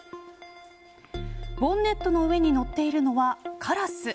ボンネットの上に乗っているのはカラス。